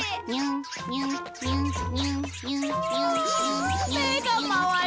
あめがまわる！